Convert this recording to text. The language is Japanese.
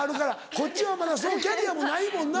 こっちはまだキャリアもないもんな。